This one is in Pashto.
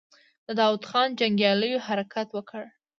د داوود خان جنګياليو حرکت وکړ.